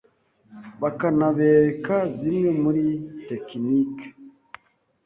bakanabereka zimwe muri tekinike